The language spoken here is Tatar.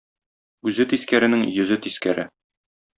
Үзе тискәренең йөзе тискәре.